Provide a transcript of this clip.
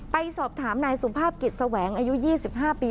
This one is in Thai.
ไปสอบถามนายสุภาพกิจแสวงอายุ๒๕ปี